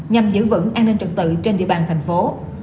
nhằm giữ vững an ninh trật tự trên địa bàn thành phố